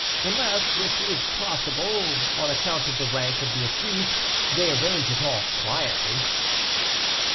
"Unless, which is possible, on account of the rank of the accused, they arrange it all quietly."